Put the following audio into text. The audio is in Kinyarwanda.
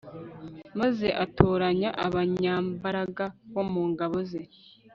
maze atoranya abanyambaraga bo mu ngabo ze